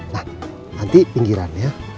nah nanti pinggirannya